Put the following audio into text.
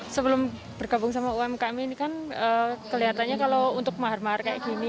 sebelum bergabung sama umkm ini kan kelihatannya kalau untuk mahar mahar kayak gini